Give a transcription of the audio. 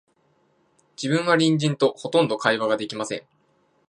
自分は隣人と、ほとんど会話が出来ません